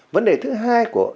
vấn đề thứ hai của